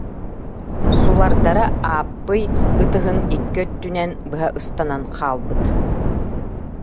Сулардара Ааппый ытыһын икки өттүнэн быһа ыстанан хаалбыт